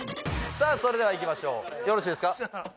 さあそれではいきましょうよろしいですか？